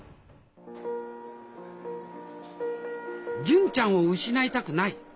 純ちゃんを失いたくない。